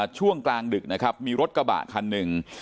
ช่วงกลางดึกนะครับมีรถกระบะคันหนึ่ง